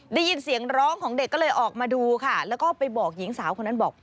ได้ยินเสียงร้องของเด็กก็เลยออกมาดูค่ะแล้วก็ไปบอกหญิงสาวคนนั้นบอก